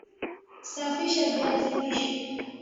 safisha viazi lishe